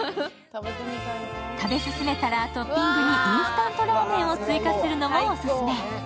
食べ進めたらトッピングにインスタントラーメンを追加するのもオススメ。